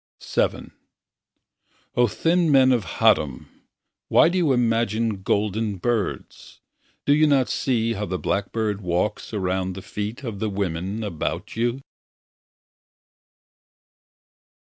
VII O thin men of Haddam, Why do you imagine golden birds? Do you not see how the blackbird Walks around the feet Of the women about you?